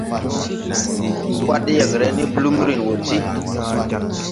Wad yɛgre ne blumrin wɔ ti.